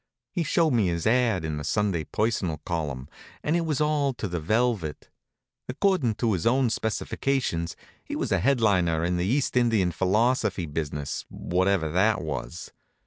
He showed me his ad in the Sunday personal column, and it was all to the velvet. Accordin' to his own specifications he was a head liner in the East Indian philosophy business, whatever that was.